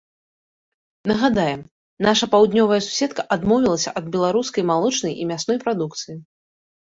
Нагадаем, наша паўднёвая суседка адмовілася ад беларускай малочнай і мясной прадукцыі.